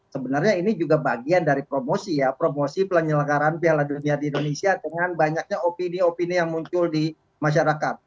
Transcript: sebenarnya ini juga bagian dari promosi ya promosi penyelenggaraan piala dunia di indonesia dengan banyaknya opini opini yang muncul di masyarakat